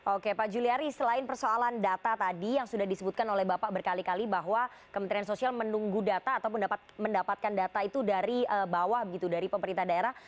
oke pak juliari selain persoalan data tadi yang sudah disebutkan oleh bapak berkali kali bahwa kementerian sosial menunggu data ataupun mendapatkan data itu dari bawah dari pemerintah daerah